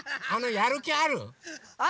やるきある？